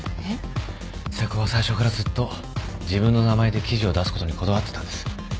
瀬古は最初からずっと自分の名前で記事を出すことにこだわってたんです。